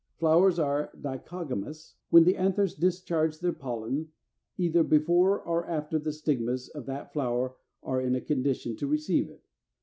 Flowers are dichogamous when the anthers discharge their pollen either before or after the stigmas of that flower are in a condition to receive it.